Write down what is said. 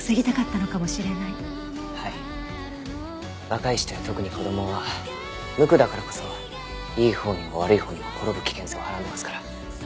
若い人や特に子供は無垢だからこそいいほうにも悪いほうにも転ぶ危険性をはらんでますから。